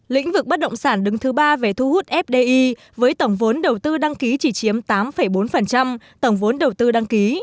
lĩnh vực bất động sản đứng thứ ba về thu hút fdi với tổng vốn đầu tư đăng ký chỉ chiếm tám bốn tổng vốn đầu tư đăng ký